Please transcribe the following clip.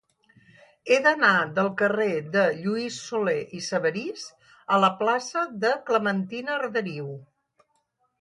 He d'anar del carrer de Lluís Solé i Sabarís a la plaça de Clementina Arderiu.